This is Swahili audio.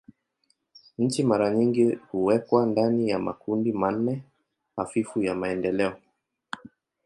Nchi mara nyingi huwekwa ndani ya makundi manne hafifu ya maendeleo.